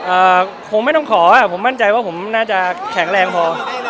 อ่าคงไม่ต้องขออ่ะผมมั่นใจว่าผมน่าจะแข็งแรงพอ